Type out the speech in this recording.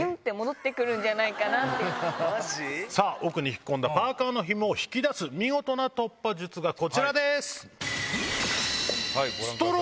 奥に引っ込んだパーカーのヒモを引き出す見事な突破術がこちらです！